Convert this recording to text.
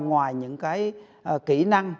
ngoài những cái kỹ năng